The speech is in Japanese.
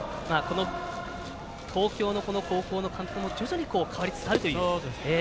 東京の高校の監督も徐々に変わりつつあるという。